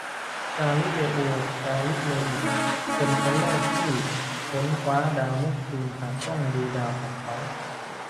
กาลิเลโอ กาลิเลอิ เป็นคนแรกที่ค้นคว้าดาวเนปจูนผ่านกล้างดูดาวของเขา